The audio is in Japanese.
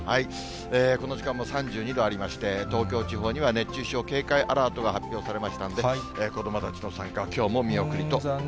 この時間も３２度ありまして、東京地方には熱中症警戒アラートが発表されましたんで、子どもたちの参加はきょうも見送りと。